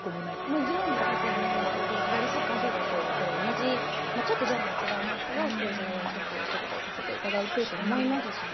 もちろんです、やっぱりすばらしい歌手だと、同じ、ちょっとジャンルは違いますけど、ステージに立つお仕事をさせていただいてと思いますしね。